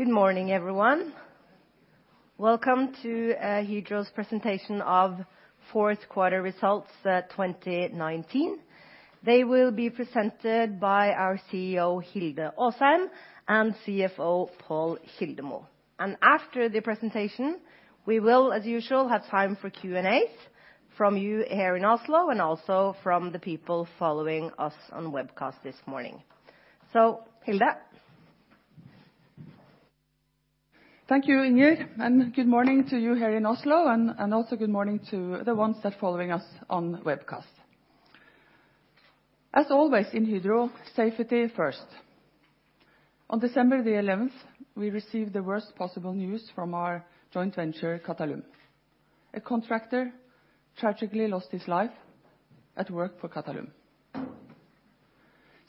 Good morning, everyone. Welcome to Hydro's presentation of fourth quarter results, 2019. They will be presented by our CEO, Hilde Aasheim, and CFO, Pål Kildemo. After the presentation, we will, as usual, have time for Q&As from you here in Oslo and also from the people following us on the webcast this morning. Hilde. Thank you, Inger. Good morning to you here in Oslo, and also good morning to the ones that are following us on the webcast. As always, in Hydro, safety first. On December the 11th, we received the worst possible news from our joint venture, Qatalum. A contractor tragically lost his life at work for Qatalum.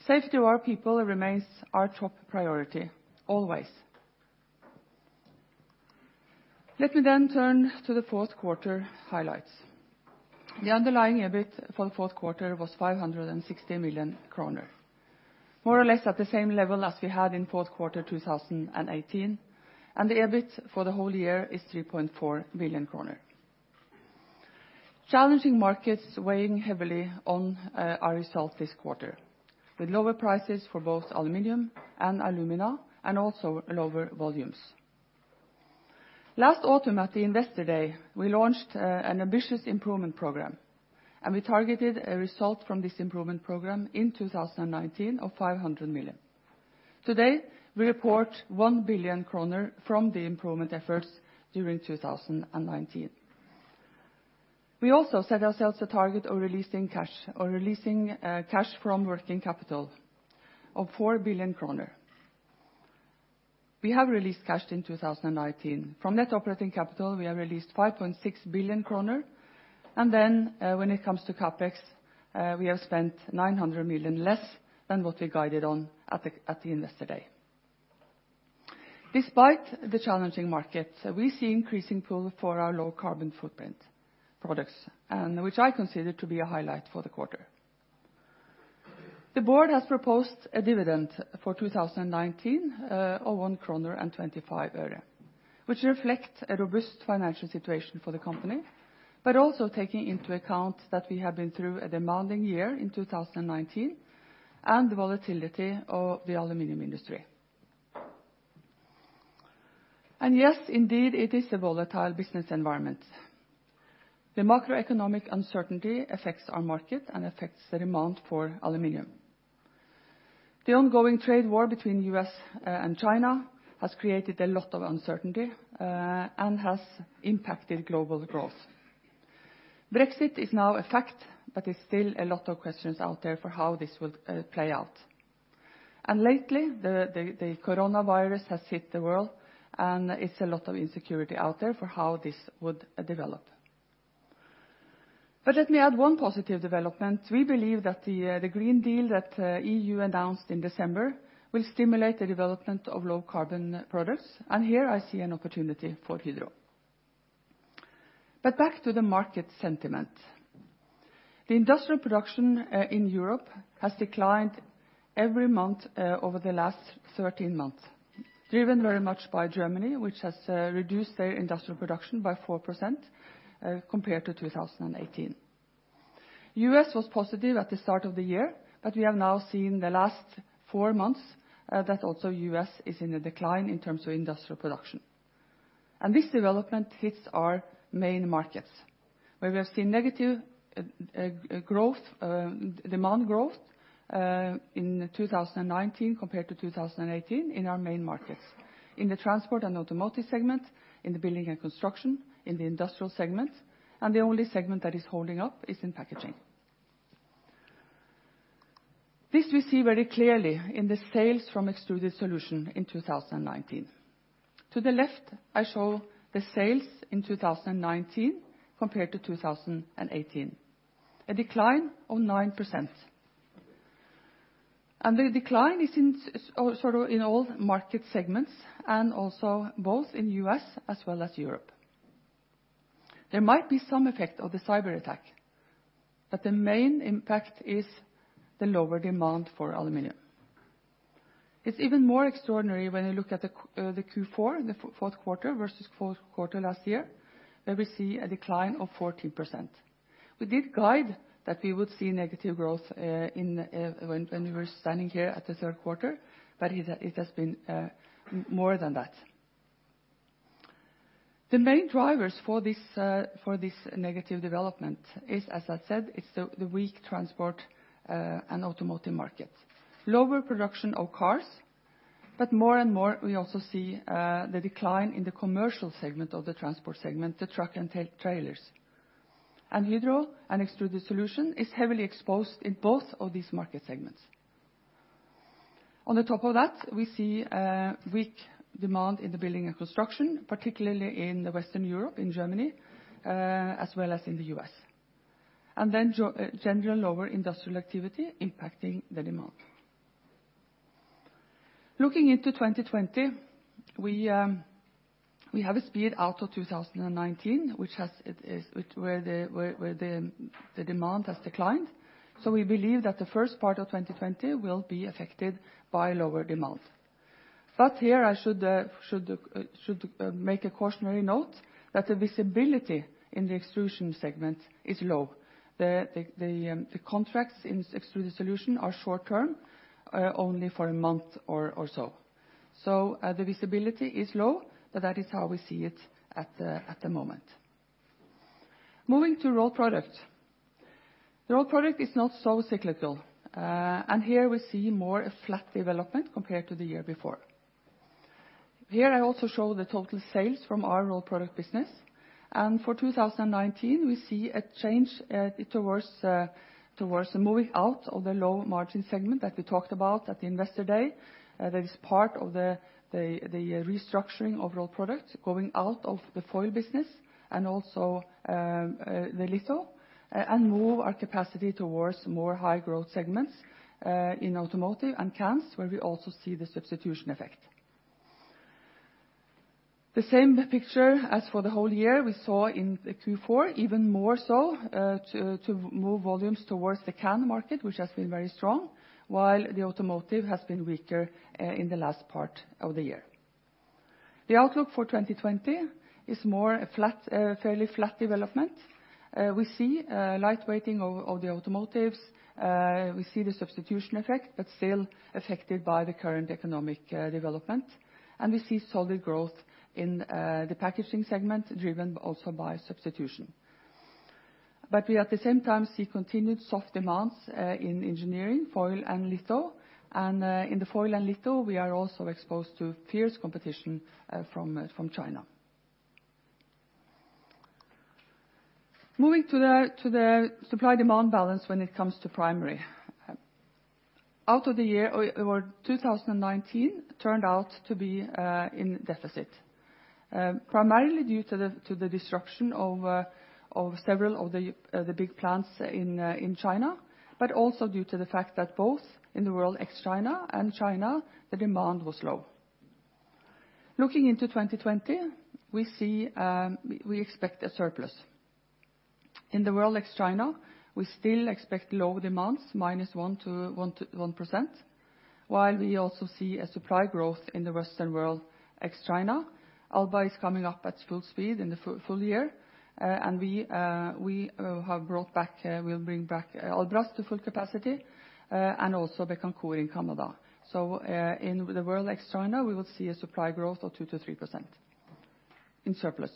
Safety of our people remains our top priority, always. Let me turn to the fourth quarter highlights. The underlying EBIT for the fourth quarter was 560 million kroner, more or less at the same level as we had in fourth quarter 2018. The EBIT for the whole year is 3.4 billion kroner. Challenging markets weighing heavily on our result this quarter, with lower prices for both aluminum and alumina, and also lower volumes. Last autumn, at the Investor Day, we launched an ambitious improvement program. We targeted a result from this improvement program in 2019 of 500 million. Today, we report 1 billion kroner from the improvement efforts during 2019. We also set ourselves a target of releasing cash from working capital of 4 billion kroner. We have released cash in 2019. From net operating capital, we have released 5.6 billion kroner. When it comes to CapEx, we have spent 900 million less than what we guided on at the Investor Day. Despite the challenging market, we see increasing pull for our low carbon footprint products, and which I consider to be a highlight for the quarter. The board has proposed a dividend for 2019 of NOK 1.25, which reflects a robust financial situation for the company, also taking into account that we have been through a demanding year in 2019 and the volatility of the aluminum industry. Yes, indeed, it is a volatile business environment. The macroeconomic uncertainty affects our market and affects the demand for aluminum. The ongoing trade war between U.S. and China has created a lot of uncertainty, has impacted global growth. Brexit is now a fact, there's still a lot of questions out there for how this will play out. Lately, the coronavirus has hit the world, it's a lot of insecurity out there for how this would develop. Let me add one positive development. We believe that the Green Deal that EU announced in December will stimulate the development of low carbon products, and here I see an opportunity for Hydro. Back to the market sentiment. The industrial production in Europe has declined every month over the last 13 months, driven very much by Germany, which has reduced their industrial production by 4% compared to 2018. U.S. was positive at the start of the year, but we have now seen the last four months that also U.S. is in a decline in terms of industrial production. This development hits our main markets, where we have seen negative demand growth in 2019 compared to 2018 in our main markets, in the transport and automotive segment, in the building and construction, in the industrial segment, and the only segment that is holding up is in packaging. This we see very clearly in the sales from Extruded Solutions in 2019. To the left, I show the sales in 2019 compared to 2018, a decline of 9%. The decline is in all market segments, and also both in U.S. as well as Europe. There might be some effect of the cyberattack, but the main impact is the lower demand for aluminum. It's even more extraordinary when you look at the Q4, the fourth quarter versus fourth quarter last year, where we see a decline of 14%. We did guide that we would see negative growth when we were standing here at the third quarter, but it has been more than that. The main drivers for this negative development is, as I said, it's the weak transport and automotive market. Lower production of cars, but more and more we also see the decline in the commercial segment of the transport segment, the truck and trailers. Hydro and Extruded Solutions is heavily exposed in both of these market segments. On the top of that, we see a weak demand in the building and construction, particularly in Western Europe, in Germany, as well as in the U.S. Then general lower industrial activity impacting the demand. Looking into 2020, We have a speed out of 2019, where the demand has declined. We believe that the first part of 2020 will be affected by lower demand. Here I should make a cautionary note that the visibility in the extrusion segment is low. The contracts in Extruded Solutions are short term, only for a month or so. The visibility is low, but that is how we see it at the moment. Moving to Rolled Products. The Rolled Products is not so cyclical. Here we see more a flat development compared to the year before. Here I also show the total sales from our Rolled Products business. For 2019, we see a change towards moving out of the low margin segment that we talked about at the Investor Day. That is part of the restructuring of Rolled Products, going out of the foil business and also the litho, and move our capacity towards more high growth segments, in automotive and cans, where we also see the substitution effect. The same picture as for the whole year we saw in the Q4, even more so, to move volumes towards the can market, which has been very strong, while the automotive has been weaker in the last part of the year. The outlook for 2020 is more a fairly flat development. We see a light weighting of the automotives. We see the substitution effect, but still affected by the current economic development. We see solid growth in the packaging segment, driven also by substitution. We, at the same time, see continued soft demands in engineering, foil and litho. In the foil and litho, we are also exposed to fierce competition from China. Moving to the supply-demand balance when it comes to primary. Out of the year, our 2019 turned out to be in deficit. Primarily due to the disruption of several of the big plants in China, also due to the fact that both in the world ex-China and China, the demand was low. Looking into 2020, we expect a surplus. In the world ex-China, we still expect low demands, minus 1%, while we also see a supply growth in the Western world ex-China. Alba is coming up at full speed in the full year. We'll bring back Albras to full capacity, also Bécancour in Canada. In the world ex-China, we will see a supply growth of 2%-3% in surplus.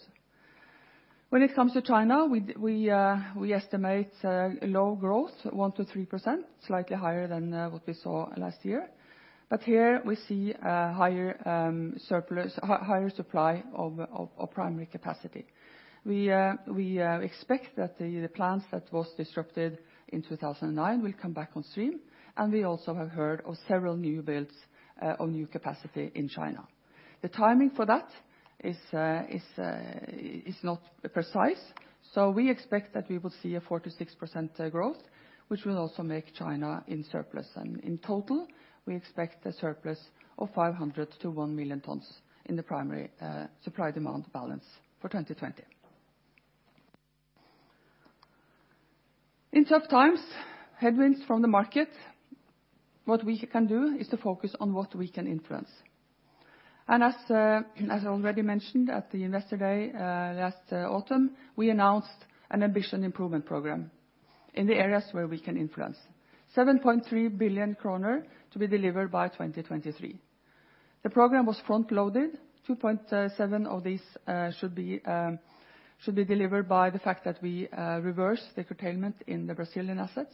When it comes to China, we estimate low growth, 1%-3%, slightly higher than what we saw last year. Here we see a higher supply of primary capacity. We expect that the plants that was disrupted in 2009 will come back on stream. We also have heard of several new builds of new capacity in China. The timing for that is not precise. We expect that we will see a 46% growth, which will also make China in surplus. In total, we expect a surplus of 500,000 tons-1 million tons in the primary supply-demand balance for 2020. In tough times, headwinds from the market, what we can do is to focus on what we can influence. As I already mentioned at the Investor Day last autumn, we announced an ambition improvement program in the areas where we can influence. 7.3 billion kroner to be delivered by 2023. The program was front-loaded, 2.7 billion of these should be delivered by the fact that we reverse the curtailment in the Brazilian assets.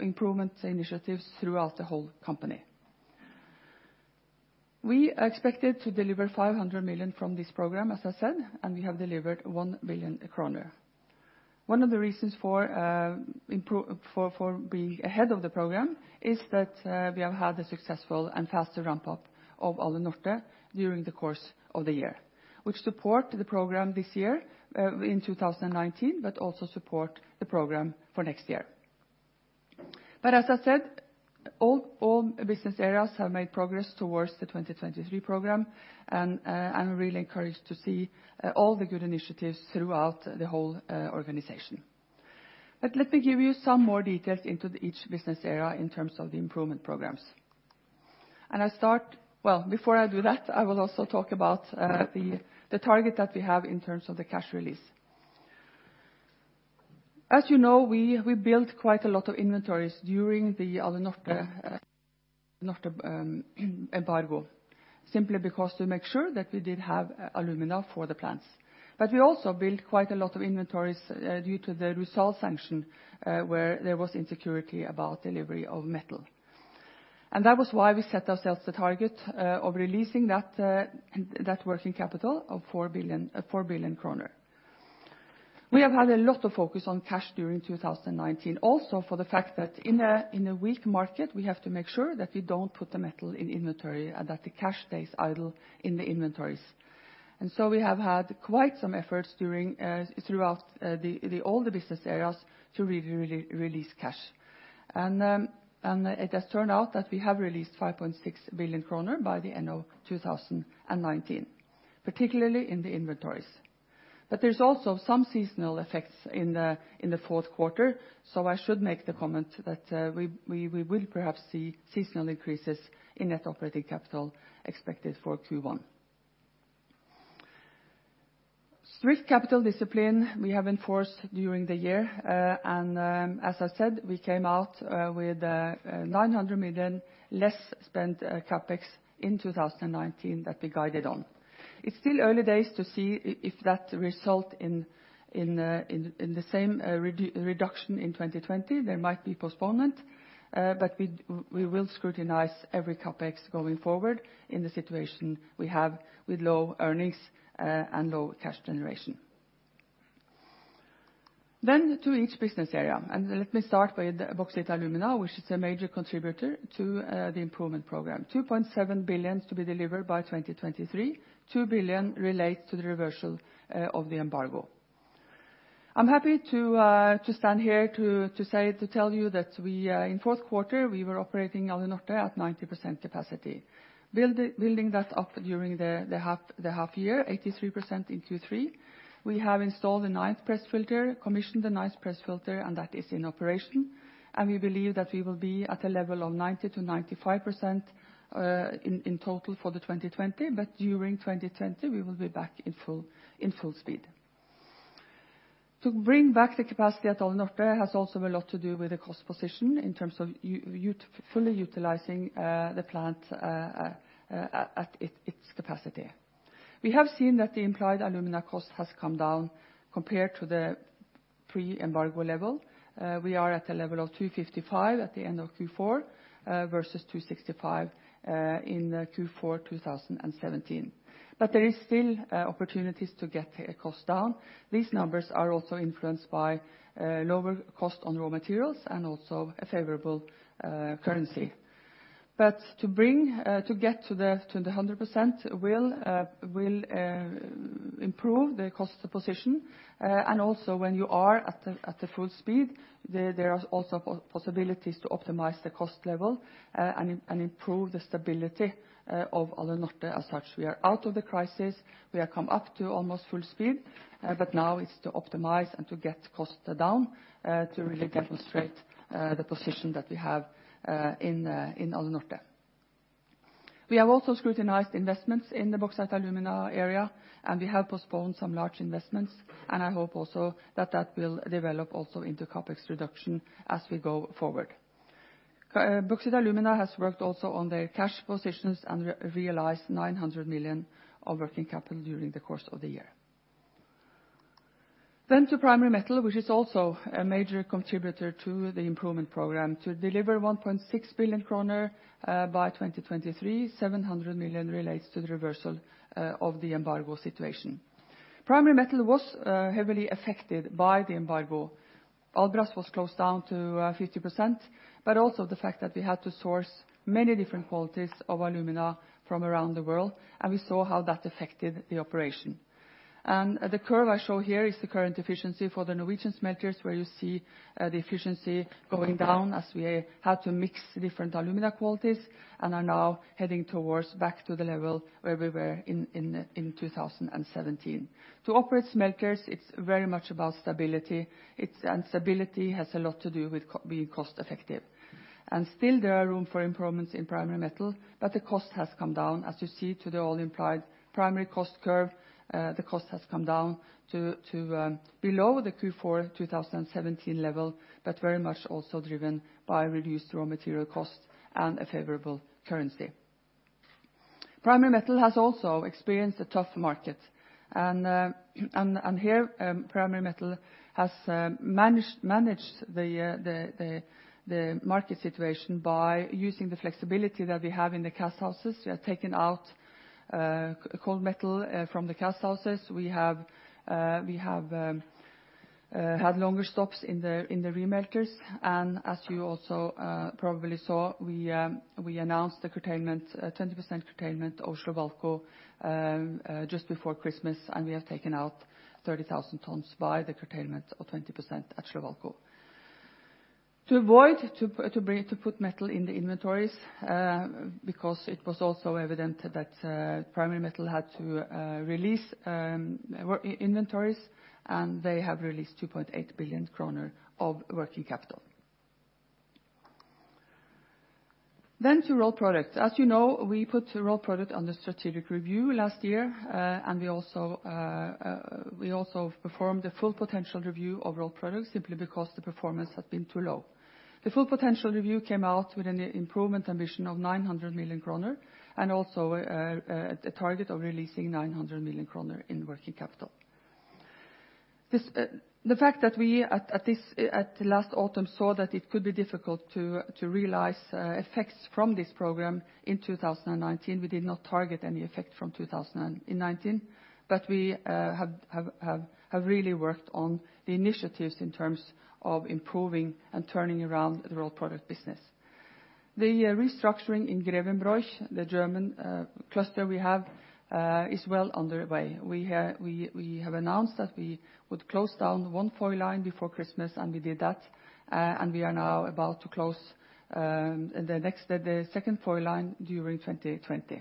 Improvement initiatives throughout the whole company. We are expected to deliver 500 million from this program, as I said, and we have delivered 1 billion kroner. One of the reasons for being ahead of the program is that we have had a successful and faster ramp-up of Alunorte during the course of the year. Which support the program this year in 2019, but also support the program for next year. As I said, all business areas have made progress towards the 2023 program, and I'm really encouraged to see all the good initiatives throughout the whole organization. Let me give you some more details into each business area in terms of the improvement programs. Before I do that, I will also talk about the target that we have in terms of the cash release. As you know, we built quite a lot of inventories during the Alunorte embargo, simply because to make sure that we did have alumina for the plants. We also built quite a lot of inventories due to the Rusal sanction, where there was insecurity about delivery of metal. That was why we set ourselves the target of releasing that working capital of 4 billion. We have had a lot of focus on cash during 2019, also for the fact that in a weak market, we have to make sure that we don't put the metal in inventory and that the cash stays idle in the inventories. We have had quite some efforts throughout all the business areas to really release cash. It has turned out that we have released 5.6 billion kroner by the end of 2019, particularly in the inventories. There's also some seasonal effects in the fourth quarter. I should make the comment that we will perhaps see seasonal increases in net operating capital expected for Q1. Strict capital discipline we have enforced during the year. As I said, we came out with 900 million less spent CapEx in 2019 that we guided on. It's still early days to see if that result in the same reduction in 2020. There might be postponement. We will scrutinize every CapEx going forward in the situation we have with low earnings and low cash generation. To each business area, let me start with the Bauxite & Alumina, which is a major contributor to the improvement program. 2.7 billion to be delivered by 2023. 2 billion relates to the reversal of the embargo. I'm happy to stand here to tell you that in the fourth quarter, we were operating Alunorte at 90% capacity. Building that up during the half year, 83% in Q3. We have installed the ninth press filter, commissioned the ninth press filter, and that is in operation. We believe that we will be at a level of 90%-95% in total for 2020, but during 2020, we will be back in full speed. To bring back the capacity at Alunorte has also a lot to do with the cost position in terms of fully utilizing the plant at its capacity. We have seen that the implied alumina cost has come down compared to the pre-embargo level. We are at a level of 255 at the end of Q4 versus 265 in Q4 2017. There is still opportunities to get the cost down. These numbers are also influenced by lower cost on raw materials and also a favorable currency. To get to the 100% will improve the cost position. When you are at the full speed, there are also possibilities to optimize the cost level and improve the stability of Alunorte as such. We are out of the crisis. We have come up to almost full speed. Now it's to optimize and to get costs down to really demonstrate the position that we have in Alunorte. We have also scrutinized investments in the Bauxite & Alumina area, and we have postponed some large investments, and I hope also that that will develop also into CapEx reduction as we go forward. Bauxite & Alumina has worked also on their cash positions and realized 900 million of working capital during the course of the year. To Primary Metal, which is also a major contributor to the improvement program. To deliver 1.6 billion kroner by 2023, 700 million relates to the reversal of the embargo situation. Primary Metal was heavily affected by the embargo. Albras was closed down to 50%, also the fact that we had to source many different qualities of alumina from around the world, we saw how that affected the operation. The curve I show here is the current efficiency for the Norwegian smelters, where you see the efficiency going down as we had to mix different alumina qualities are now heading towards back to the level where we were in 2017. To operate smelters, it's very much about stability. Stability has a lot to do with being cost effective. Still, there are room for improvements in Primary Metal, but the cost has come down, as you see, to the all implied primary cost curve. Very much also driven by reduced raw material costs and a favorable currency, the cost has come down to below the Q4 2017 level. Primary Metal has also experienced a tough market. Here, Primary Metal has managed the market situation by using the flexibility that we have in the cast houses. We have taken out cold metal from the cast houses. We have had longer stops in the remelters. As you also probably saw, we announced the 20% curtailment of Slovalco just before Christmas. We have taken out 30,000 tons by the curtailment of 20% at Slovalco. To avoid to put metal in the inventories, because it was also evident that Primary Metal had to release inventories, and they have released 2.8 billion kroner of working capital. To Rolled Products. As you know, we put Rolled Products under strategic review last year, and we also have performed a full potential review of Rolled Products simply because the performance had been too low. The full potential review came out with an improvement ambition of 900 million kroner and also a target of releasing 900 million kroner in working capital. The fact that we, at last autumn, saw that it could be difficult to realize effects from this program in 2019, we did not target any effect from 2019, but we have really worked on the initiatives in terms of improving and turning around the Rolled Products business. The restructuring in Grevenbroich, the German cluster we have, is well underway. We have announced that we would close down one foil line before Christmas, and we did that, and we are now about to close the second foil line during 2020.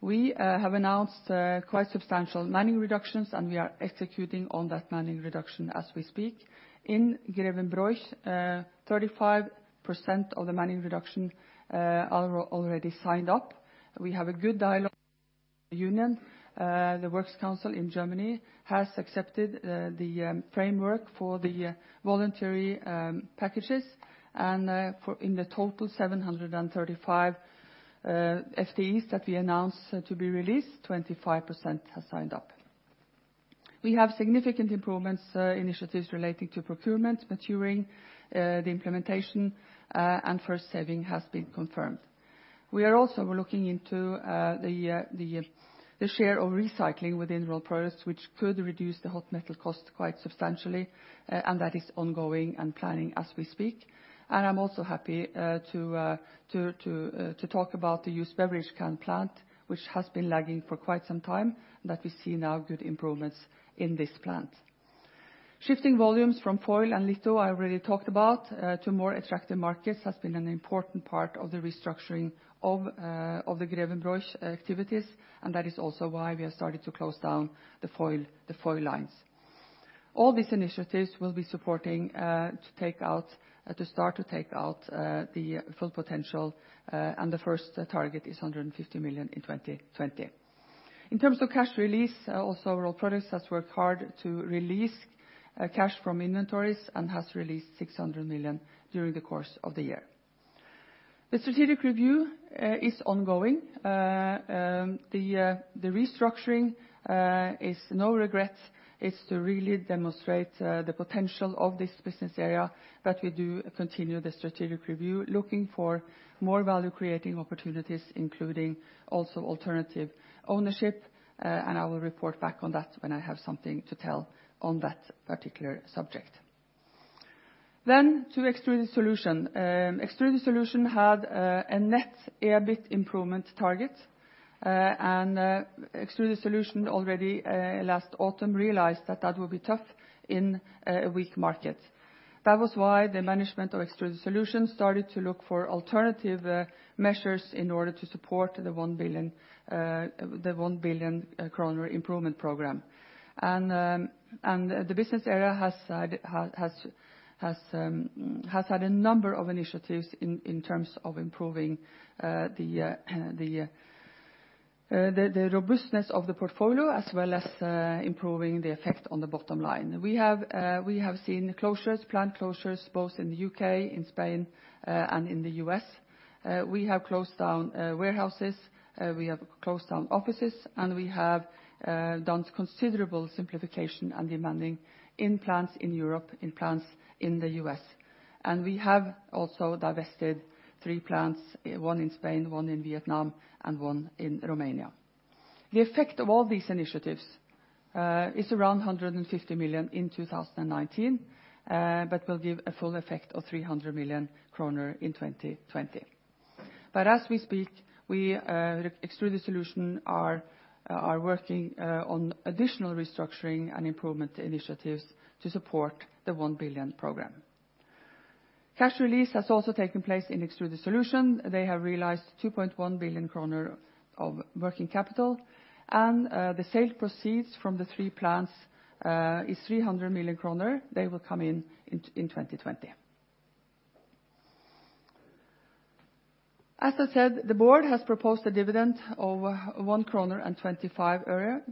We have announced quite substantial manning reductions, and we are executing on that manning reduction as we speak. In Grevenbroich, 35% of the manning reduction are already signed up. We have a good dialogue union. The works council in Germany has accepted the framework for the voluntary packages and in the total 735 FTEs that we announced to be released, 25% have signed up. We have significant improvements initiatives relating to procurement maturing the implementation, and first saving has been confirmed. We are also looking into the share of recycling within Rolled Products, which could reduce the hot metal cost quite substantially, and that is ongoing and planning as we speak. I'm also happy to talk about the used beverage can plant, which has been lagging for quite some time, that we see now good improvements in this plant. Shifting volumes from foil and litho, I already talked about, to more attractive markets has been an important part of the restructuring of the Grevenbroich activities, and that is also why we have started to close down the foil lines. All these initiatives will be supporting to start to take out the full potential. The first target is 150 million in 2020. In terms of cash release, also Rolled Products has worked hard to release cash from inventories and has released 600 million during the course of the year. The strategic review is ongoing. The restructuring is no regrets. It is to really demonstrate the potential of this business area. We do continue the strategic review looking for more value-creating opportunities, including also alternative ownership. I will report back on that when I have something to tell on that particular subject. To Extruded Solutions. Extruded Solutions had a net EBIT improvement target. Extruded Solutions already last autumn realized that that would be tough in a weak market. That was why the management of Extruded Solutions started to look for alternative measures in order to support the 1 billion improvement program. The business area has had a number of initiatives in terms of improving the robustness of the portfolio, as well as improving the effect on the bottom line. We have seen closures, planned closures, both in the U.K., in Spain, and in the U.S. We have closed down warehouses, we have closed down offices, and we have done considerable simplification and demanning in plants in Europe, in plants in the U.S. We have also divested three plants, one in Spain, one in Vietnam, and one in Romania. The effect of all these initiatives is around 150 million in 2019, but will give a full effect of 300 million kroner in 2020. As we speak, Extruded Solutions are working on additional restructuring and improvement initiatives to support the 1 billion program. Cash release has also taken place in Extruded Solutions. They have realized 2.1 billion kroner of working capital, and the sale proceeds from the three plants is 300 million kroner. They will come in in 2020. As I said, the board has proposed a dividend of 1.25 kroner.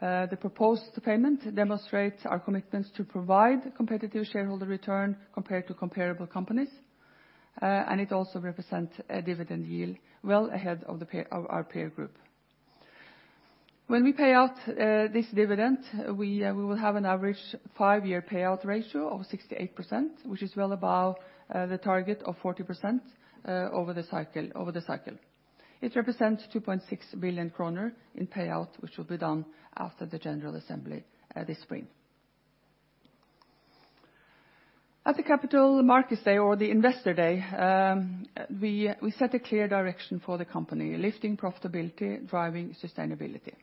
The proposed payment demonstrates our commitment to provide competitive shareholder return compared to comparable companies, and it also represents a dividend yield well ahead of our peer group. When we pay out this dividend, we will have an average five-year payout ratio of 68%, which is well above the target of 40% over the cycle. It represents 2.6 billion kroner in payout, which will be done after the general assembly this spring. At the Capital Markets Day or the Investor Day, we set a clear direction for the company, lifting profitability, driving sustainability.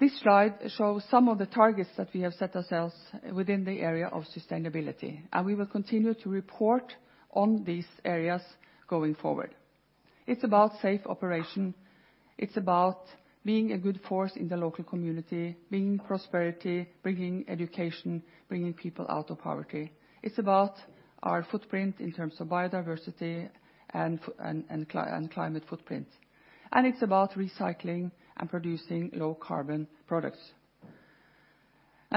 This slide shows some of the targets that we have set ourselves within the area of sustainability, and we will continue to report on these areas going forward. It's about safe operation. It's about being a good force in the local community, bringing prosperity, bringing education, bringing people out of poverty. It's about our footprint in terms of biodiversity and climate footprint. It's about recycling and producing low carbon products.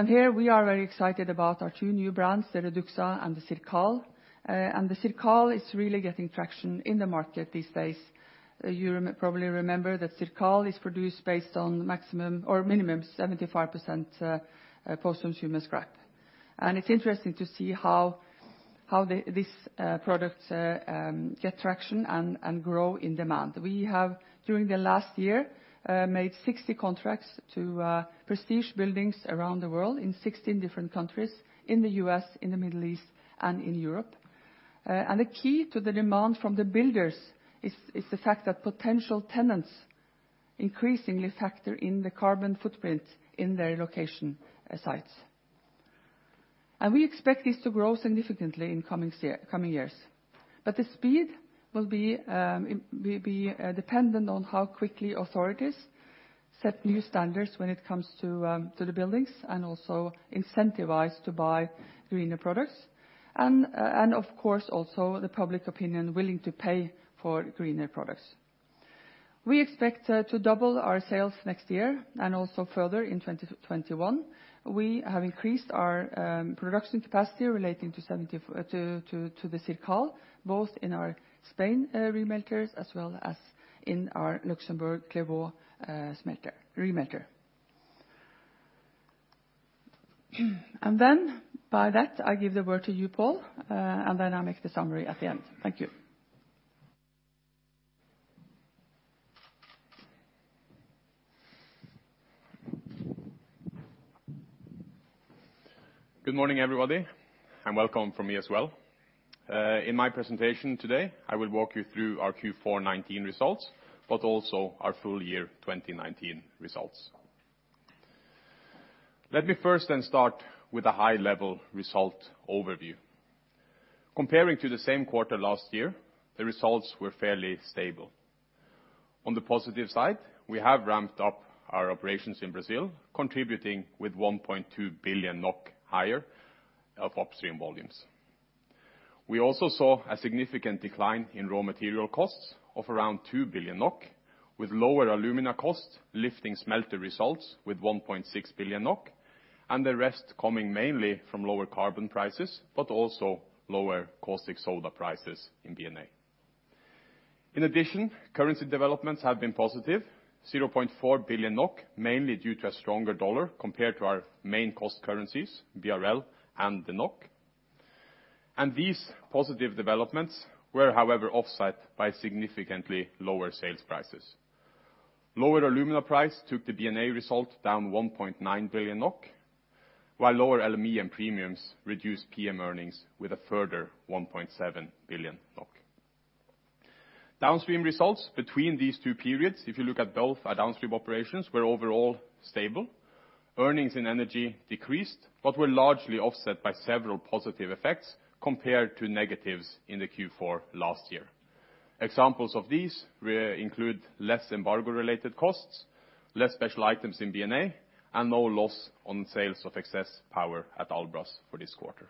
Here we are very excited about our two new brands, the REDUXA and the CIRCAL. The CIRCAL is really getting traction in the market these days. You probably remember that CIRCAL is produced based on minimum 75% post-consumer scrap. It's interesting to see how these products get traction and grow in demand. We have, during the last year, made 60 contracts to prestige buildings around the world in 16 different countries, in the U.S., in the Middle East and in Europe. The key to the demand from the builders is the fact that potential tenants increasingly factor in the carbon footprint in their location sites. We expect this to grow significantly in coming years. The speed will be dependent on how quickly authorities set new standards when it comes to the buildings, also incentivized to buy greener products. Of course, also the public opinion, willing to pay for greener products. We expect to double our sales next year and also further in 2021. We have increased our production capacity relating to the CIRCAL, both in our Spain remelters as well as in our Luxembourg Clervaux remelter. Then by that, I give the word to you, Pål, and then I'll make the summary at the end. Thank you. Good morning, everybody, and welcome from me as well. In my presentation today, I will walk you through our Q4 2019 results, but also our full year 2019 results. Let me first start with a high-level result overview. Comparing to the same quarter last year, the results were fairly stable. On the positive side, we have ramped up our operations in Brazil, contributing with 1.2 billion NOK higher of upstream volumes. We also saw a significant decline in raw material costs of around 2 billion NOK, with lower alumina costs, lifting smelter results with 1.6 billion NOK, and the rest coming mainly from lower carbon prices, but also lower caustic soda prices in B&A. In addition, currency developments have been positive, 0.4 billion NOK, mainly due to a stronger dollar compared to our main cost currencies, BRL and the NOK. These positive developments were, however, offset by significantly lower sales prices. Lower alumina price took the B&A result down 1.9 billion NOK, while lower LME and premiums reduced PM earnings with a further 1.7 billion NOK. Downstream results between these two periods, if you look at both our downstream operations, were overall stable. Earnings in energy decreased, but were largely offset by several positive effects compared to negatives in the Q4 last year. Examples of these include less embargo-related costs, less special items in B&A, and no loss on sales of excess power at Albras for this quarter.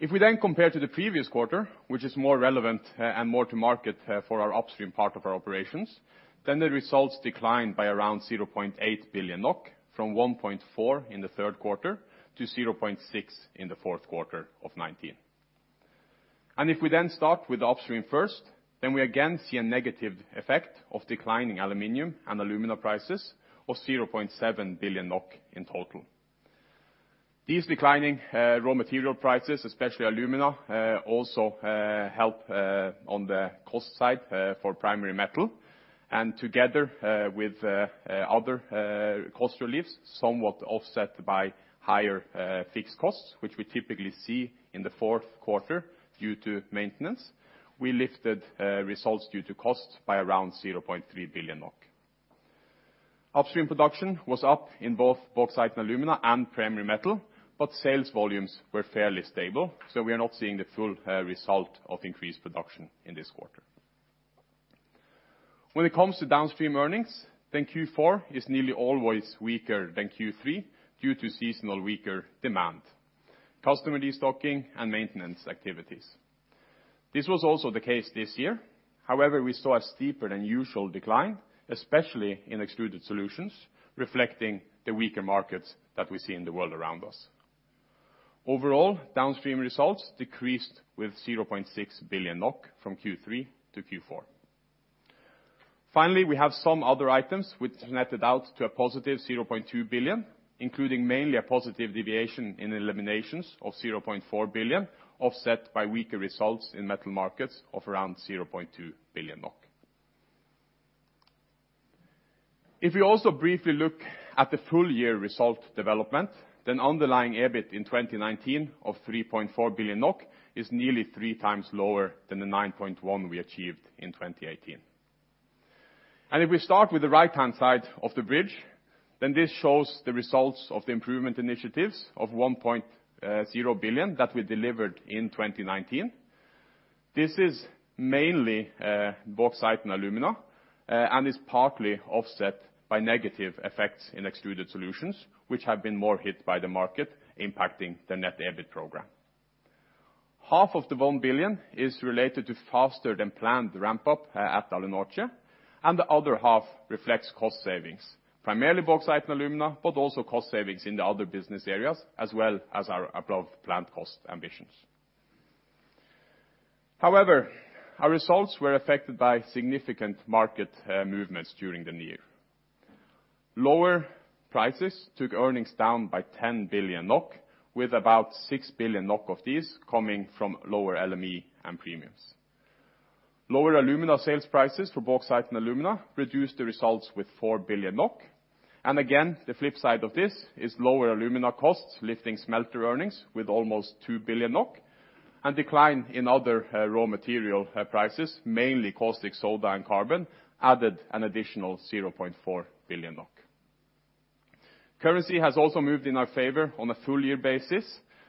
If we then compare to the previous quarter, which is more relevant and more to market for our upstream part of our operations, then the results declined by around 0.8 billion NOK, from 1.4 billion in the third quarter to 0.6 billion in the fourth quarter of 2019. If we start with the upstream first, we again see a negative effect of declining aluminum and alumina prices of 0.7 billion NOK in total. These declining raw material prices, especially alumina also help on the cost side for Primary Metal, and together with other cost reliefs, somewhat offset by higher fixed costs, which we typically see in the fourth quarter due to maintenance. We lifted results due to costs by around 0.3 billion NOK. Upstream production was up in both Bauxite & Alumina and Primary Metal, sales volumes were fairly stable, we are not seeing the full result of increased production in this quarter. When it comes to downstream earnings, Q4 is nearly always weaker than Q3 due to seasonal weaker demand, customer de-stocking, and maintenance activities. This was also the case this year. However, we saw a steeper than usual decline, especially in Extruded Solutions, reflecting the weaker markets that we see in the world around us. Overall, downstream results decreased with 0.6 billion NOK from Q3 to Q4. Finally, we have some other items which netted out to a positive 0.2 billion, including mainly a positive deviation in eliminations of 0.4 billion, offset by weaker results in metal markets of around 0.2 billion NOK. If you also briefly look at the full year result development, then underlying EBIT in 2019 of 3.4 billion NOK is nearly three times lower than the 9.1 billion we achieved in 2018. If we start with the right-hand side of the bridge, then this shows the results of the improvement initiatives of 1.0 billion that we delivered in 2019. This is mainly Bauxite & Alumina, is partly offset by negative effects in Extruded Solutions, which have been more hit by the market, impacting the net EBIT program. Half of the 1 billion is related to faster than planned ramp-up at Alunorte, the other half reflects cost savings, primarily Bauxite & Alumina, also cost savings in the other business areas, as well as our above-plan cost ambitions. Our results were affected by significant market movements during the year. Lower prices took earnings down by 10 billion NOK, with about 6 billion NOK of these coming from lower LME and premiums. Lower alumina sales prices for Bauxite & Alumina reduced the results with 4 billion NOK. Again, the flip side of this is lower alumina costs, lifting smelter earnings with almost 2 billion NOK. Decline in other raw material prices, mainly caustic soda and carbon, added an additional 0.4 billion NOK. Currency has also moved in our favor on a full year basis,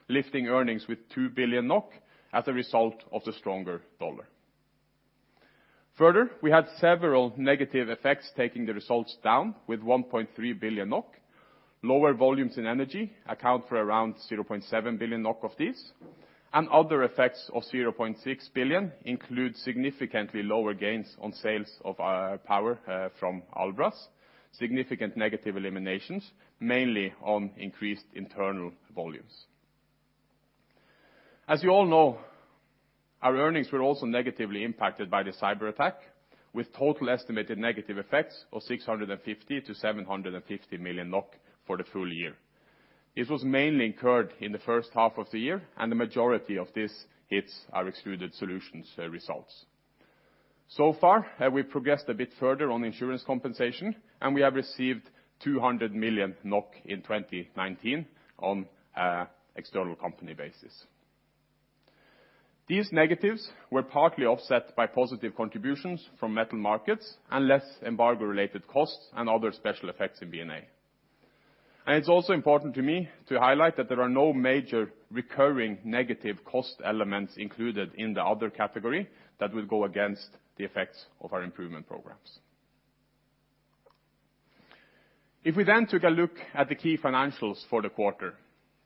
lifting earnings with 2 billion NOK as a result of the stronger dollar. Further, we had several negative effects, taking the results down with 1.3 billion NOK. Lower volumes in energy account for around 0.7 billion NOK of this. Other effects of 0.6 billion include significantly lower gains on sales of our power from Albras, significant negative eliminations, mainly on increased internal volumes. As you all know, our earnings were also negatively impacted by the cyber attack, with total estimated negative effects of 650 million-750 million NOK for the full year. This was mainly incurred in the first half of the year, and the majority of this hits our Extruded Solutions results. Far, we progressed a bit further on insurance compensation, we have received 200 million NOK in 2019 on external company basis. These negatives were partly offset by positive contributions from metal markets and less embargo-related costs and other special effects in B&A. It's also important to me to highlight that there are no major recurring negative cost elements included in the other category that will go against the effects of our improvement programs. If we took a look at the key financials for the quarter,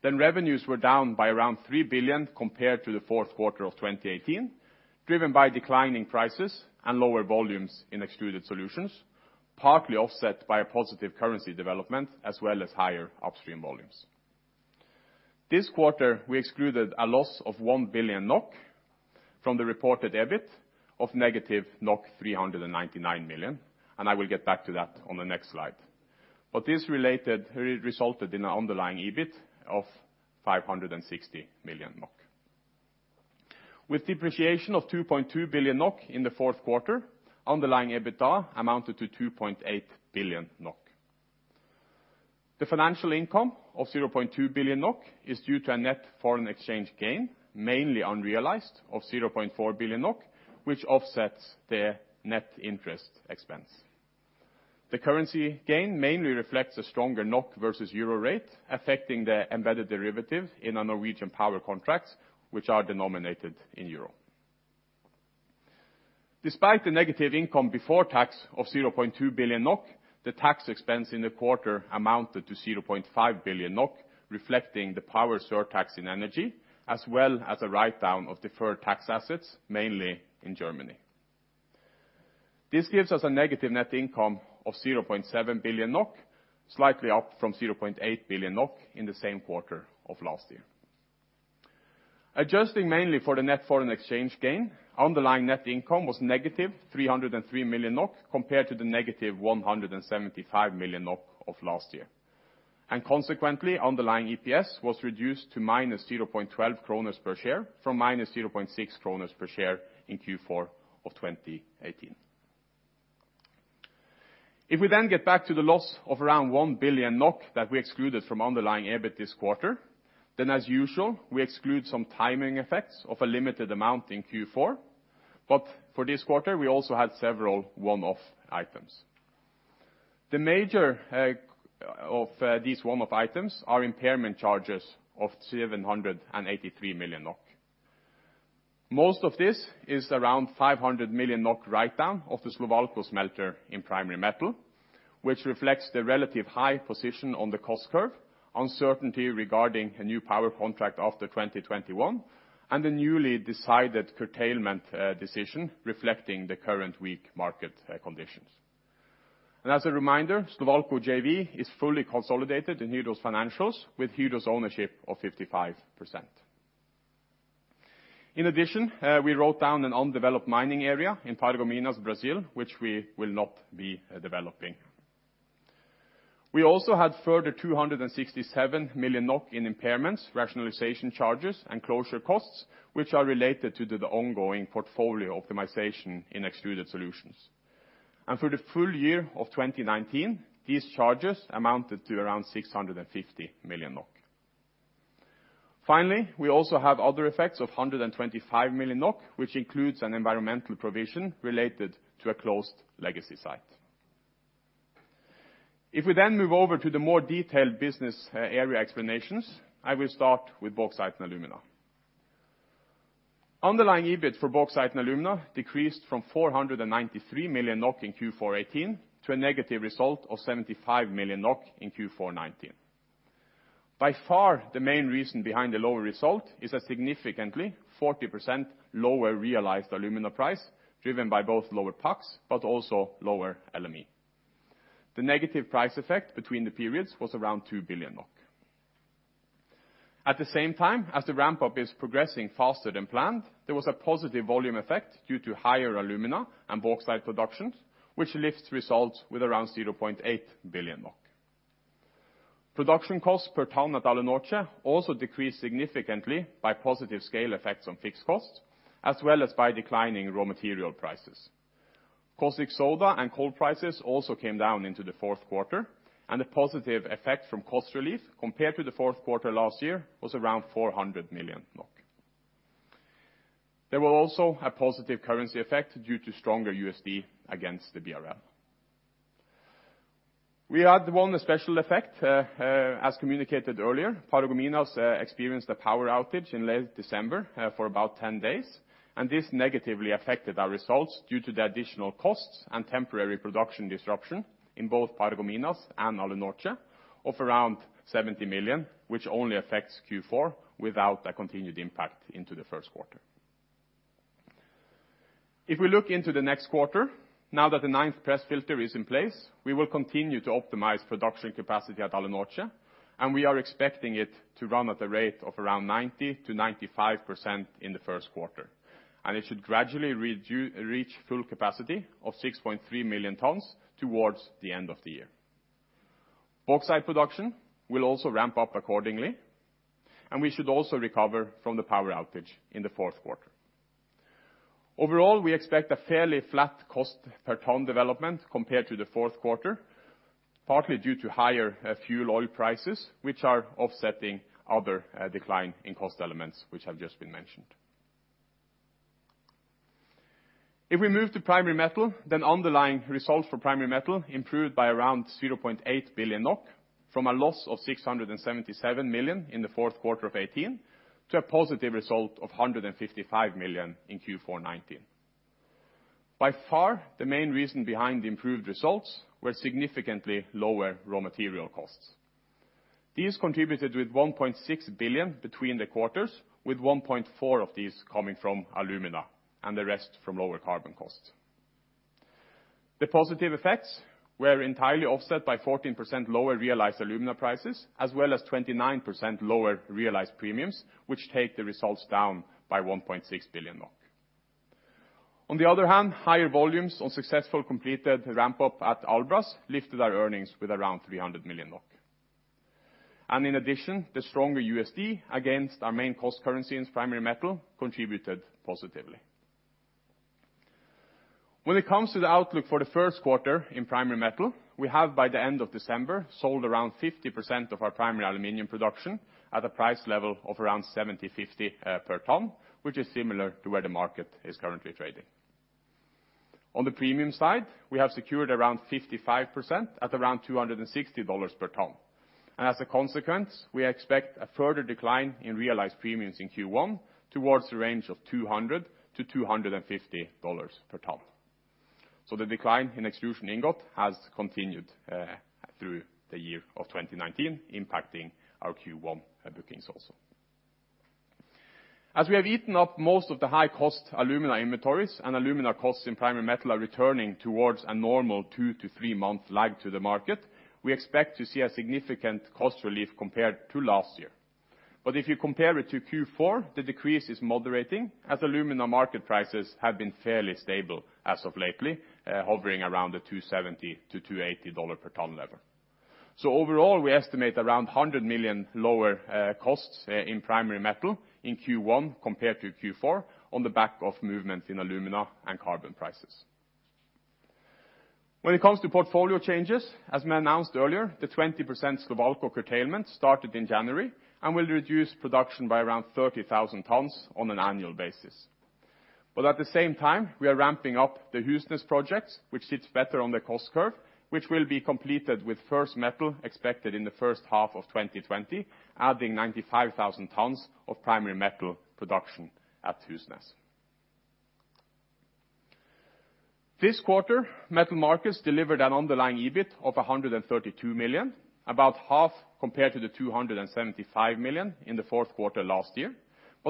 revenues were down by around 3 billion compared to the fourth quarter of 2018, driven by declining prices and lower volumes in Extruded Solutions, partly offset by a positive currency development as well as higher upstream volumes. This quarter, we excluded a loss of 1 billion NOK from the reported EBIT of negative 399 million, and I will get back to that on the next slide. This resulted in an underlying EBIT of 560 million NOK. With depreciation of 2.2 billion NOK in the fourth quarter, underlying EBITDA amounted to 2.8 billion NOK. The financial income of 0.2 billion NOK is due to a net foreign exchange gain, mainly unrealized, of 0.4 billion NOK, which offsets the net interest expense. The currency gain mainly reflects a stronger NOK versus euro rate, affecting the embedded derivative in our Norwegian power contracts, which are denominated in euro. Despite the negative income before tax of 0.2 billion NOK, the tax expense in the quarter amounted to 0.5 billion NOK, reflecting the power surtax in energy as well as a write-down of deferred tax assets, mainly in Germany. This gives us a negative net income of 0.7 billion NOK, slightly up from 0.8 billion NOK in the same quarter of last year. Adjusting mainly for the net foreign exchange gain, underlying net income was negative 303 million NOK compared to the negative 175 million NOK of last year. Consequently, underlying EPS was reduced to minus 0.12 kroner per share from minus 0.6 kroner per share in Q4 of 2018. If we get back to the loss of around 1 billion NOK that we excluded from underlying EBIT this quarter, as usual, we exclude some timing effects of a limited amount in Q4. For this quarter, we also had several one-off items. The major of these one-off items are impairment charges of 783 million NOK. Most of this is around 500 million NOK write-down of the Slovalco smelter in Primary Metal, which reflects the relative high position on the cost curve, uncertainty regarding a new power contract after 2021, and the newly decided curtailment decision reflecting the current weak market conditions. As a reminder, Slovalco JV is fully consolidated in Hydro's financials, with Hydro's ownership of 55%. In addition, we wrote down an undeveloped mining area in Paragominas, Brazil, which we will not be developing. We also had further 267 million in impairments, rationalization charges, and closure costs, which are related to the ongoing portfolio optimization in Extruded Solutions. For the full year of 2019, these charges amounted to around 650 million NOK. Finally, we also have other effects of 125 million NOK, which includes an environmental provision related to a closed legacy site. If we move over to the more detailed business area explanations, I will start with Bauxite & Alumina. Underlying EBIT for Bauxite & Alumina decreased from 493 million NOK in Q4 2018 to a negative result of 75 million NOK in Q4 2019. By far, the main reason behind the lower result is a significantly 40% lower realized alumina price, driven by both lower PAX but also lower LME. The negative price effect between the periods was around 2 billion NOK. At the same time, as the ramp-up is progressing faster than planned, there was a positive volume effect due to higher alumina and bauxite productions, which lifts results with around 0.8 billion NOK. Production costs per ton at Alunorte also decreased significantly by positive scale effects on fixed costs, as well as by declining raw material prices. Caustic soda and coal prices also came down into the fourth quarter. The positive effect from cost relief compared to the fourth quarter last year was around 400 million NOK. There was also a positive currency effect due to stronger USD against the BRL. We had one special effect, as communicated earlier. Paragominas experienced a power outage in late December for about 10 days. This negatively affected our results due to the additional costs and temporary production disruption in both Paragominas and Alunorte of around 70 million, which only affects Q4 without a continued impact into the first quarter. If we look into the next quarter, now that the 9th press filter is in place, we will continue to optimize production capacity at Alunorte. We are expecting it to run at a rate of around 90%-95% in the first quarter. It should gradually reach full capacity of 6.3 million tons towards the end of the year. Bauxite production will also ramp up accordingly, and we should also recover from the power outage in the fourth quarter. Overall, we expect a fairly flat cost per ton development compared to the fourth quarter, partly due to higher fuel oil prices, which are offsetting other decline in cost elements, which have just been mentioned. If we move to Primary Metal, underlying results for Primary Metal improved by around 0.8 billion NOK from a loss of 677 million in the fourth quarter of 2018, to a positive result of 155 million in Q4 2019. By far, the main reason behind the improved results were significantly lower raw material costs. These contributed with 1.6 billion between the quarters, with 1.4 billion of these coming from alumina and the rest from lower carbon costs. The positive effects were entirely offset by 14% lower realized alumina prices, as well as 29% lower realized premiums, which take the results down by 1.6 billion NOK. On the other hand, higher volumes on successful completed ramp-up at Albras lifted our earnings with around 300 million NOK. In addition, the stronger USD against our main cost currency in Primary Metal contributed positively. When it comes to the outlook for the first quarter in Primary Metal, we have, by the end of December, sold around 50% of our primary aluminum production at a price level of around 750 per ton, which is similar to where the market is currently trading. On the premium side, we have secured around 55% at around 260 dollars per ton. As a consequence, we expect a further decline in realized premiums in Q1 towards the range of 200-250 dollars per ton. The decline in extrusion ingot has continued through the year of 2019, impacting our Q1 bookings also. As we have eaten up most of the high-cost alumina inventories and alumina costs in Primary Metal are returning towards a normal two to three-month lag to the market, we expect to see a significant cost relief compared to last year. If you compare it to Q4, the decrease is moderating as alumina market prices have been fairly stable as of lately, hovering around the $270-$280 per ton level. Overall, we estimate around 100 million lower costs in Primary Metal in Q1 compared to Q4 on the back of movement in alumina and carbon prices. When it comes to portfolio changes, as I announced earlier, the 20% Slovalco curtailment started in January and will reduce production by around 30,000 tons on an annual basis. At the same time, we are ramping up the Husnes projects, which sits better on the cost curve, which will be completed with first metal expected in the first half of 2020, adding 95,000 tons of primary metal production at Husnes. This quarter, metal markets delivered an underlying EBIT of 132 million, about half compared to the 275 million in the fourth quarter last year,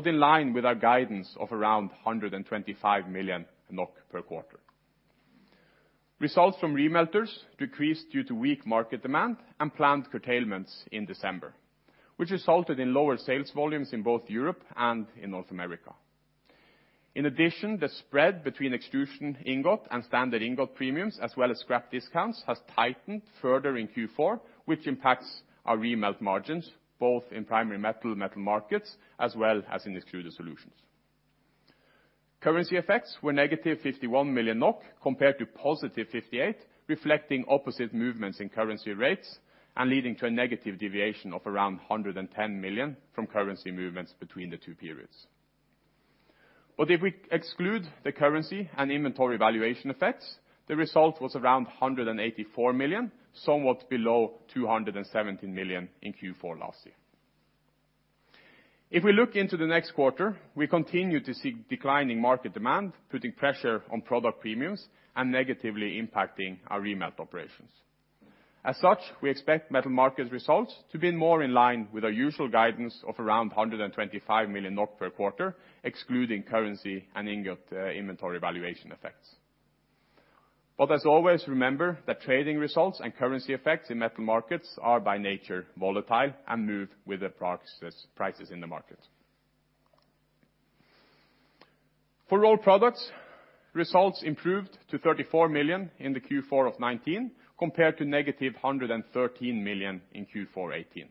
in line with our guidance of around 125 million NOK per quarter. Results from remelters decreased due to weak market demand and planned curtailments in December, which resulted in lower sales volumes in both Europe and in North America. In addition, the spread between extrusion ingot and standard ingot premiums, as well as scrap discounts, has tightened further in Q4, which impacts our remelt margins, both in primary metal markets, as well as in Extruded Solutions. Currency effects were negative 51 million NOK compared to positive 58 million, reflecting opposite movements in currency rates and leading to a negative deviation of around 110 million from currency movements between the two periods. If we exclude the currency and inventory valuation effects, the result was around 184 million, somewhat below 217 million in Q4 last year. If we look into the next quarter, we continue to see declining market demand, putting pressure on product premiums and negatively impacting our remelt operations. As such, we expect metal market results to be more in line with our usual guidance of around 125 million NOK per quarter, excluding currency and ingot inventory valuation effects. As always, remember that trading results and currency effects in metal markets are by nature volatile and move with the prices in the market. For Rolled Products, results improved to 34 million in Q4 2019, compared to negative 113 million in Q4 2018.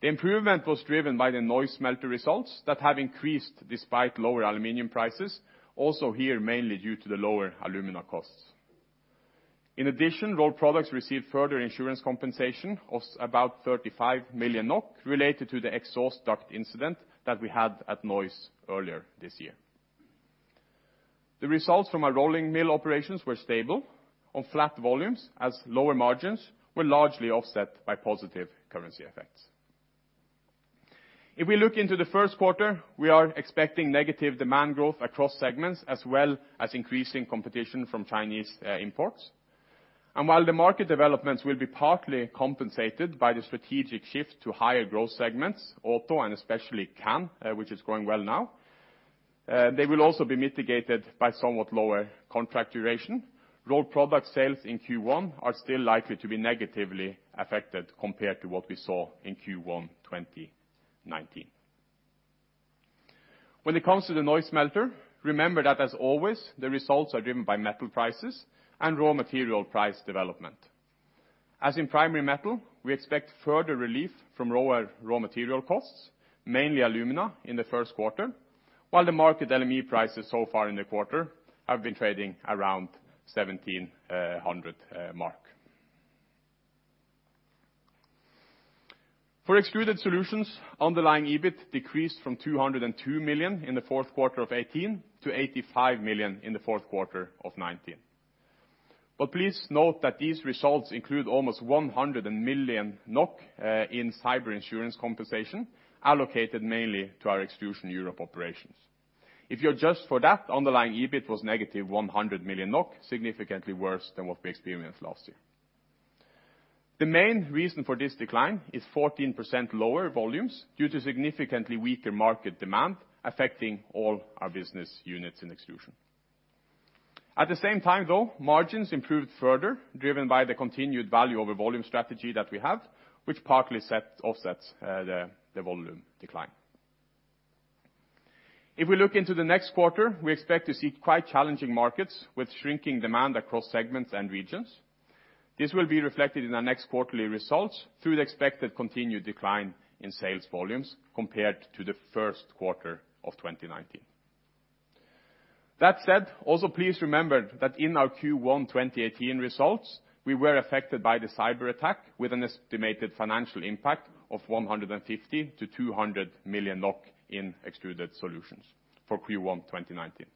The improvement was driven by the Neuss smelter results that have increased despite lower aluminum prices, also here, mainly due to the lower alumina costs. In addition, Rolled Products received further insurance compensation of about 35 million NOK related to the exhaust duct incident that we had at Neuss earlier this year. The results from our rolling mill operations were stable on flat volumes as lower margins were largely offset by positive currency effects. If we look into the first quarter, we are expecting negative demand growth across segments, as well as increasing competition from Chinese imports. While the market developments will be partly compensated by the strategic shift to higher growth segments, auto and especially can, which is going well now, they will also be mitigated by somewhat lower contract duration. Rolled Products sales in Q1 are still likely to be negatively affected compared to what we saw in Q1 2019. When it comes to the Neuss smelter, remember that as always, the results are driven by metal prices and raw material price development. As in Primary Metal, we expect further relief from lower raw material costs, mainly alumina, in the first quarter. While the market LME prices so far in the quarter have been trading around 1,700 mark. For Extruded Solutions, underlying EBIT decreased from 202 million in the fourth quarter of 2018 to 85 million in the fourth quarter of 2019. Please note that these results include almost 100 million NOK in cyber insurance compensation allocated mainly to our Extrusion Europe operations. If you adjust for that, underlying EBIT was negative 100 million NOK, significantly worse than what we experienced last year. The main reason for this decline is 14% lower volumes due to significantly weaker market demand affecting all our business units in extrusion. At the same time though, margins improved further, driven by the continued value over volume strategy that we have, which partly offsets the volume decline. If we look into the next quarter, we expect to see quite challenging markets with shrinking demand across segments and regions. This will be reflected in our next quarterly results through the expected continued decline in sales volumes compared to the first quarter of 2019. That said, also please remember that in our Q1 2018 results, we were affected by the cyber attack with an estimated financial impact of 150 million-200 million NOK in Extruded Solutions for Q1 2019.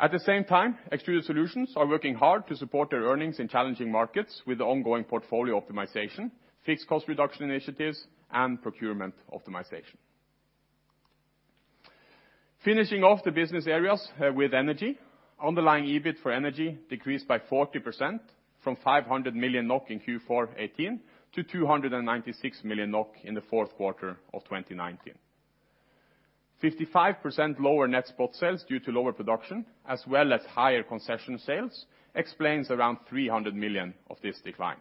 At the same time, Extruded Solutions are working hard to support their earnings in challenging markets with the ongoing portfolio optimization, fixed cost reduction initiatives, and procurement optimization. Finishing off the business areas with Energy. Underlying EBIT for Energy decreased by 40% from 500 million NOK in Q4 2018 to 296 million NOK in the fourth quarter of 2019. 55% lower net spot sales due to lower production as well as higher concession sales explains around 300 million of this decline.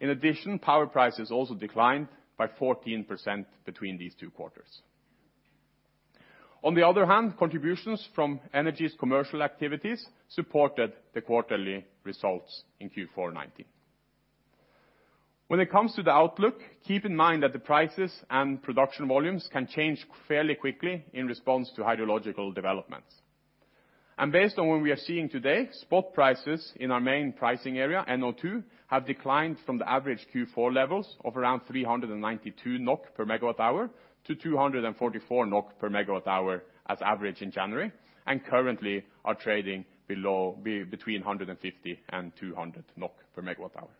In addition, power prices also declined by 14% between these two quarters. On the other hand, contributions from Energy's commercial activities supported the quarterly results in Q4 2019. When it comes to the outlook, keep in mind that the prices and production volumes can change fairly quickly in response to hydrological developments. Based on what we are seeing today, spot prices in our main pricing area, NO2, have declined from the average Q4 levels of around 392 NOK per megawatt hour to 244 NOK per megawatt hour as average in January, and currently are trading between 150-200 NOK per megawatt hour.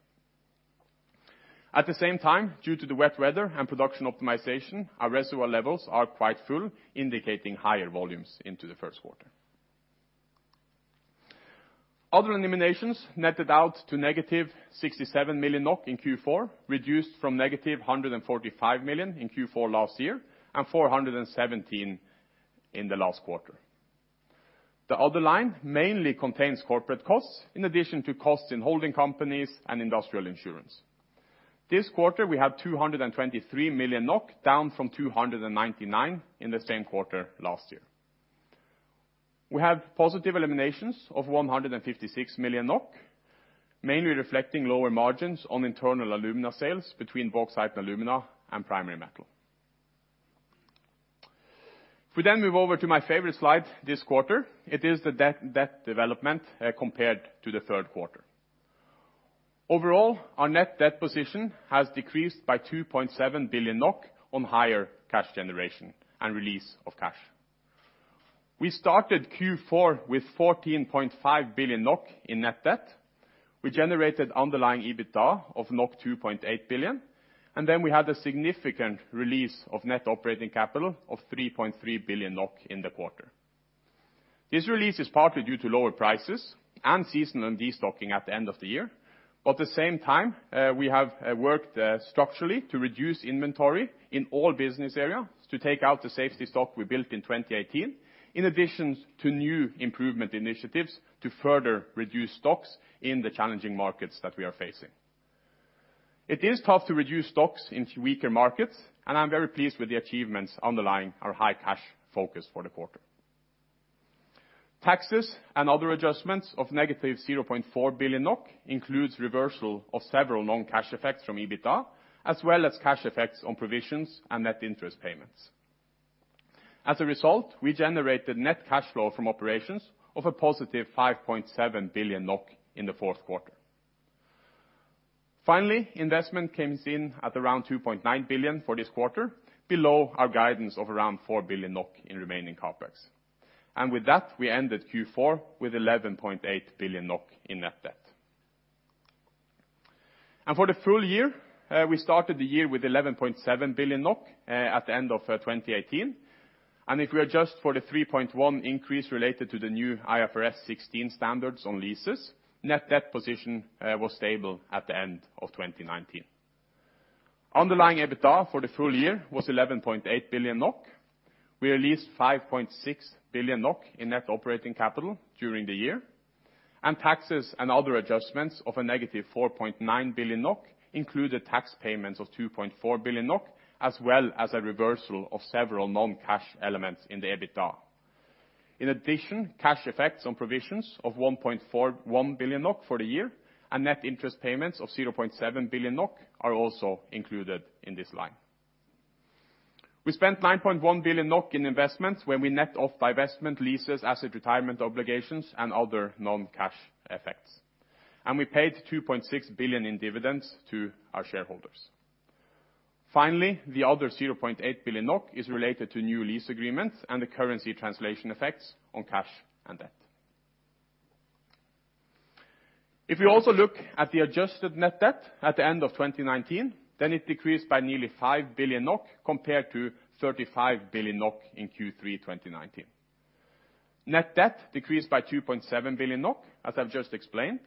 At the same time, due to the wet weather and production optimization, our reservoir levels are quite full, indicating higher volumes into the first quarter. Other eliminations netted out to negative 67 million NOK in Q4, reduced from negative 145 million in Q4 last year and 417 million in the last quarter. The underlying mainly contains corporate costs in addition to costs in holding companies and industrial insurance. This quarter, we have 223 million NOK, down from 299 million in the same quarter last year. We have positive eliminations of 156 million NOK, mainly reflecting lower margins on internal alumina sales between Bauxite & Alumina and Primary Metal. If we move over to my favorite slide this quarter, it is the debt development compared to the third quarter. Overall, our net debt position has decreased by 2.7 billion NOK on higher cash generation and release of cash. We started Q4 with 14.5 billion NOK in net debt. We generated underlying EBITDA of 2.8 billion, we had a significant release of net operating capital of 3.3 billion NOK in the quarter. This release is partly due to lower prices and seasonal de-stocking at the end of the year. At the same time, we have worked structurally to reduce inventory in all business areas to take out the safety stock we built in 2018, in addition to new improvement initiatives to further reduce stocks in the challenging markets that we are facing. It is tough to reduce stocks into weaker markets, and I'm very pleased with the achievements underlying our high cash focus for the quarter. Taxes and other adjustments of negative 0.4 billion NOK includes reversal of several non-cash effects from EBITDA, as well as cash effects on provisions and net interest payments. As a result, we generated net cash flow from operations of a positive 5.7 billion NOK in the fourth quarter. Finally, investment comes in at around 2.9 billion for this quarter, below our guidance of around 4 billion NOK in remaining CapEx. With that, we ended Q4 with 11.8 billion NOK in net debt. For the full year, we started the year with 11.7 billion NOK at the end of 2018. If we adjust for the 3.1 increase related to the new IFRS 16 standards on leases, net debt position was stable at the end of 2019. Underlying EBITDA for the full year was 11.8 billion NOK. We released 5.6 billion NOK in net operating capital during the year. Taxes and other adjustments of a negative 4.9 billion NOK included tax payments of 2.4 billion NOK, as well as a reversal of several non-cash elements in the EBITDA. In addition, cash effects on provisions of 1.41 billion NOK for the year, and net interest payments of 0.7 billion NOK are also included in this line. We spent 9.1 billion NOK in investments when we net off divestment leases, asset retirement obligations, and other non-cash effects. We paid 2.6 billion in dividends to our shareholders. Finally, the other 0.8 billion NOK is related to new lease agreements and the currency translation effects on cash and debt. If you also look at the adjusted net debt at the end of 2019, then it decreased by nearly 5 billion NOK compared to 35 billion NOK in Q3 2019. Net debt decreased by 2.7 billion NOK, as I've just explained,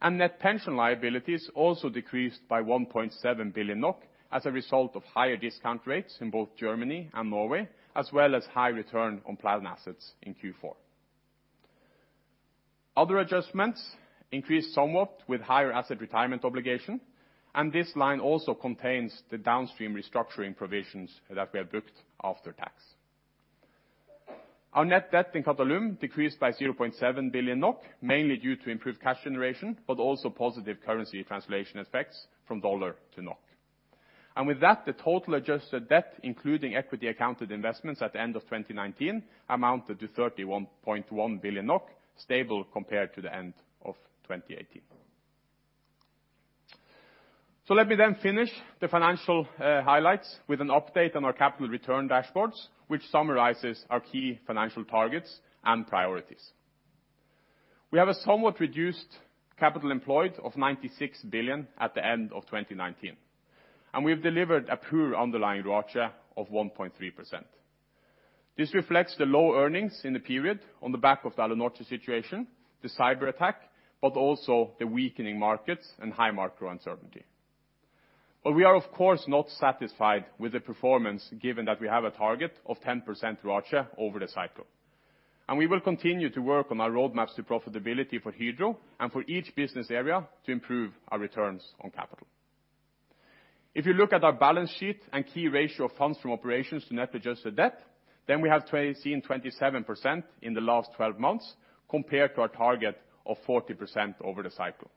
and net pension liabilities also decreased by 1.7 billion NOK as a result of higher discount rates in both Germany and Norway, as well as high return on plan assets in Q4. Other adjustments increased somewhat with higher asset retirement obligation, and this line also contains the downstream restructuring provisions that we have booked after tax. Our net debt in Qatalum decreased by 0.7 billion NOK, mainly due to improved cash generation, but also positive currency translation effects from USD to NOK. With that, the total adjusted debt, including equity accounted investments at the end of 2019, amounted to 31.1 billion NOK, stable compared to the end of 2018. Let me finish the financial highlights with an update on our capital return dashboards, which summarizes our key financial targets and priorities. We have a somewhat reduced capital employed of 96 billion at the end of 2019, and we have delivered a poor underlying ROACE of 1.3%. This reflects the low earnings in the period on the back of the Alunorte situation, the cyberattack, but also the weakening markets and high macro uncertainty. We are of course not satisfied with the performance given that we have a target of 10% ROACE over the cycle. We will continue to work on our roadmaps to profitability for Hydro and for each business area to improve our returns on capital. If you look at our balance sheet and key ratio of funds from operations to net adjusted debt, then we have seen 27% in the last 12 months compared to our target of 40% over the cycle.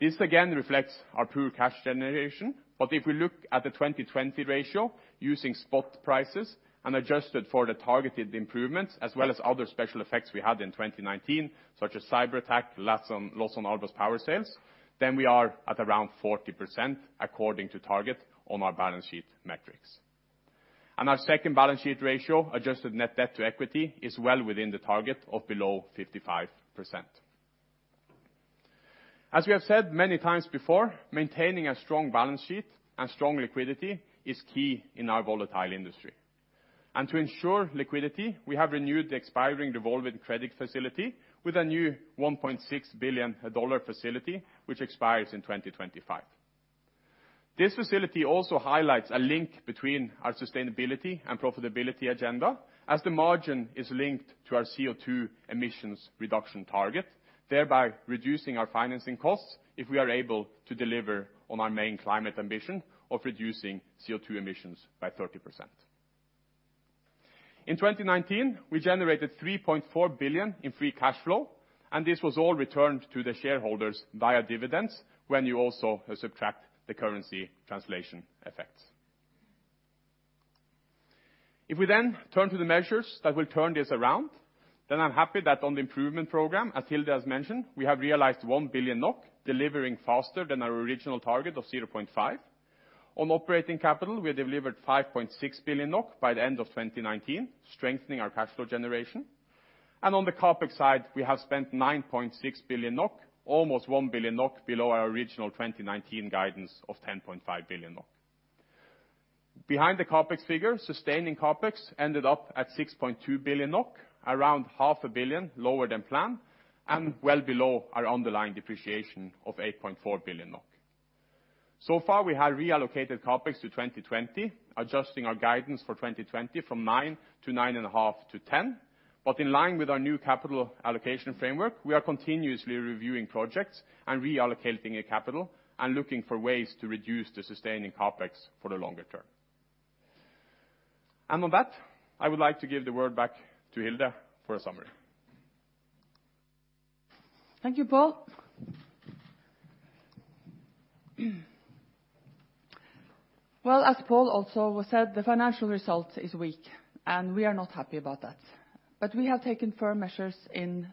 This again reflects our poor cash generation. If we look at the 2020 ratio using spot prices and adjusted for the targeted improvements as well as other special effects we had in 2019, such as cyberattack, loss on Alvø Power sales, then we are at around 40% according to target on our balance sheet metrics. Our second balance sheet ratio, adjusted net debt to equity, is well within the target of below 55%. As we have said many times before, maintaining a strong balance sheet and strong liquidity is key in our volatile industry. To ensure liquidity, we have renewed the expiring revolving credit facility with a new $1.6 billion facility, which expires in 2025. This facility also highlights a link between our sustainability and profitability agenda, as the margin is linked to our CO2 emissions reduction target, thereby reducing our financing costs if we are able to deliver on our main climate ambition of reducing CO2 emissions by 30%. In 2019, we generated 3.4 billion in free cash flow, and this was all returned to the shareholders via dividends when you also subtract the currency translation effects. If we then turn to the measures that will turn this around, I'm happy that on the improvement program, as Hilde has mentioned, we have realized 1 billion NOK, delivering faster than our original target of 0.5. On operating capital, we delivered 5.6 billion NOK by the end of 2019, strengthening our cash flow generation. On the CapEx side, we have spent 9.6 billion NOK, almost 1 billion NOK below our original 2019 guidance of 10.5 billion NOK. Behind the CapEx figure, sustaining CapEx ended up at 6.2 billion NOK, around NOK half a billion lower than planned, and well below our underlying depreciation of 8.4 billion NOK. Far, we have reallocated CapEx to 2020, adjusting our guidance for 2020 from 9 to 9.5 to 10. In line with our new capital allocation framework, we are continuously reviewing projects and reallocating capital and looking for ways to reduce the sustaining CapEx for the longer term. On that, I would like to give the word back to Hilde for a summary. Thank you, Pål. Well, as Pål also said, the financial result is weak, and we are not happy about that. We have taken firm measures in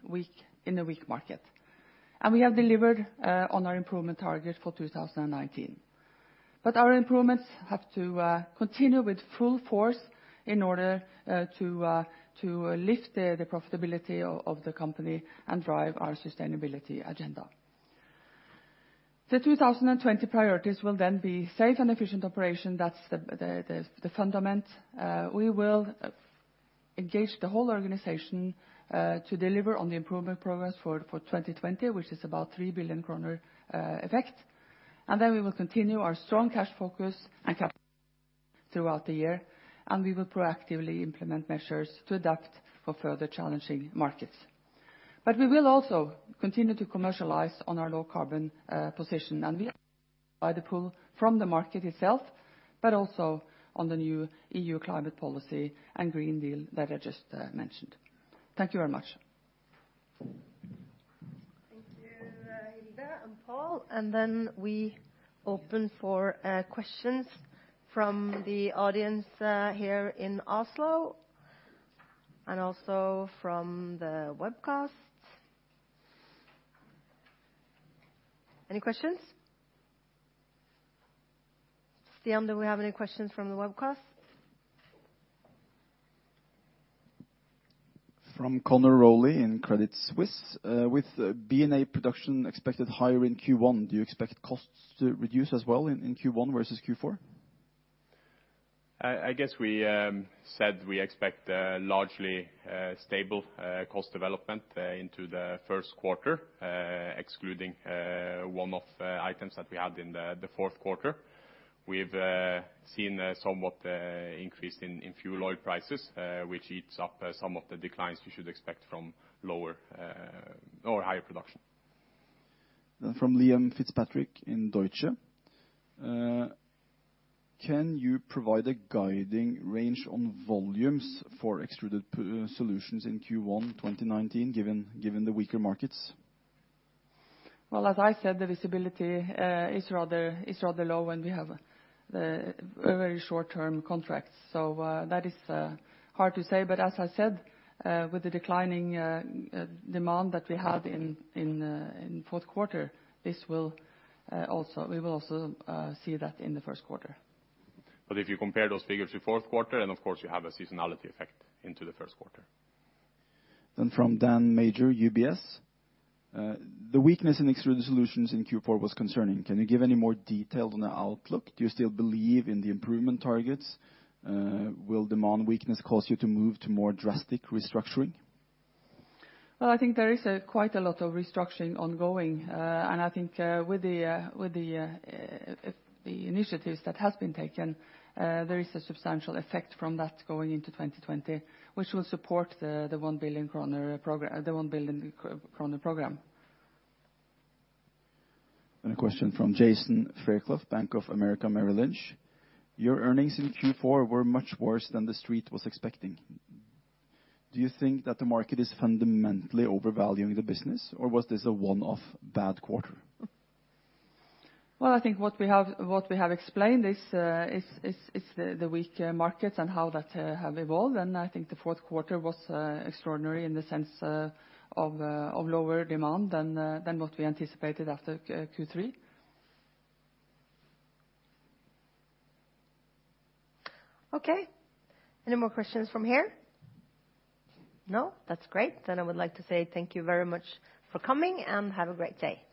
the weak market, and we have delivered on our improvement target for 2019. Our improvements have to continue with full force in order to lift the profitability of the company and drive our sustainability agenda. The 2020 priorities will then be safe and efficient operation. That's the fundament. We will engage the whole organization to deliver on the improvement progress for 2020, which is about 3 billion kroner effect. We will continue our strong cash focus and capital throughout the year, and we will proactively implement measures to adapt for further challenging markets. We will also continue to commercialize on our low-carbon position, but also on the new EU climate policy and Green Deal that I just mentioned. Thank you very much. Thank you, Hilde and Pål. We open for questions from the audience here in Oslo and also from the webcast. Any questions? Stian, do we have any questions from the webcast? From Conor Rowley in Credit Suisse. With B&A production expected higher in Q1, do you expect costs to reduce as well in Q1 versus Q4? I guess we said we expect largely stable cost development into the first quarter, excluding one-off items that we had in the fourth quarter. We've seen somewhat increase in fuel oil prices, which eats up some of the declines we should expect from higher production. From Liam Fitzpatrick in Deutsche. Can you provide a guiding range on volumes for Extruded Solutions in Q1 2019, given the weaker markets? Well, as I said, the visibility is rather low, and we have very short-term contracts. That is hard to say. As I said, with the declining demand that we had in fourth quarter, we will also see that in the first quarter. If you compare those figures to fourth quarter, of course you have a seasonality effect into the first quarter. From Daniel Major, UBS. The weakness in Extruded Solutions in Q4 was concerning. Can you give any more detail on the outlook? Do you still believe in the improvement targets? Will demand weakness cause you to move to more drastic restructuring? Well, I think there is quite a lot of restructuring ongoing, and I think with the initiatives that have been taken, there is a substantial effect from that going into 2020, which will support the NOK 1 billion program. A question from Jason Fairclough, Bank of America Merrill Lynch. Your earnings in Q4 were much worse than the Street was expecting. Do you think that the market is fundamentally overvaluing the business, or was this a one-off bad quarter? Well, I think what we have explained is the weak markets and how that have evolved, and I think the fourth quarter was extraordinary in the sense of lower demand than what we anticipated after Q3. Okay. Any more questions from here? No? That's great. I would like to say thank you very much for coming, and have a great day.